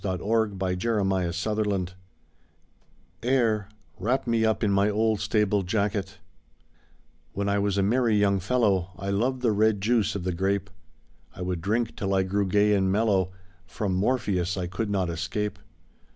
THE SAD YEARS A STUDENT'S SONG Air, Wrap me up in my old stable jacket, WHEN I was a merry young fellow I loved the red juice of the grape. I would drink till I grew gay and mellow, From Morpheus I could not escape.